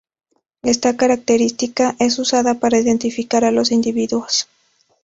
Esta característica es usada para identificar a los individuos.